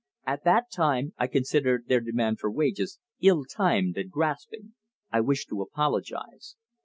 At that time I considered their demand for wages ill timed and grasping. I wish to apologize.